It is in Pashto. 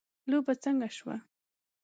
لوبه څنګه شوه .